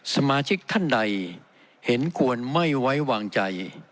สมาชิกท่านใดเห็นควรไม่ไว้วางใจ